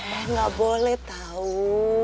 enggak boleh tau